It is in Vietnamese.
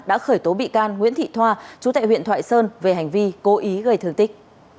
đã khởi tố bị can nguyễn thị thoa chú tại huyện thoại sơn về hành vi cố ý gây thương tích